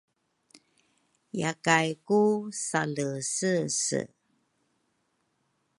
yakay ku salesese